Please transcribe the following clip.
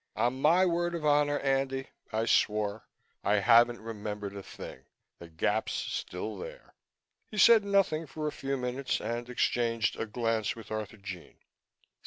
"On my word of honor, Andy," I swore, "I haven't remembered a thing. The gap's still there." He said nothing for a few minutes and exchanged a glance with Arthurjean.